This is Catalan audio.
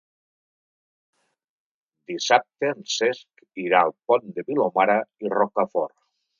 Dissabte en Cesc irà al Pont de Vilomara i Rocafort.